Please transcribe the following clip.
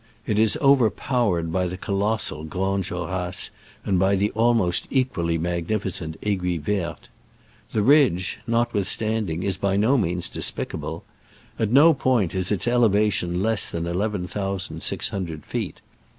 It is overpow ered by the colossal Grandes Jorasses and by the almost equally magnificent Aiguille Verte. The ridge, notwithstand ing, is by no means despicable. At no point is its elevation less than eleven thousand six hundred feet.